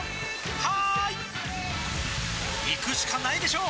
「はーい」いくしかないでしょ！